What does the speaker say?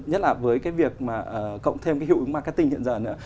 nhất là với cái việc mà cộng thêm cái hữu ích marketing hiện giờ nữa